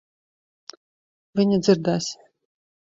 Viņa dzirdēs.